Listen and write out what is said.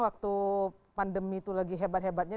waktu pandemi itu lagi hebat hebatnya